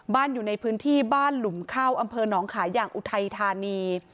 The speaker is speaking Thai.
อยู่ในพื้นที่บ้านหลุมเข้าอำเภอหนองขายอย่างอุทัยธานี